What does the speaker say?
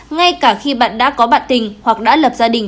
ngay cả khi bạn đã có bạn tình hoặc đã lập gia đình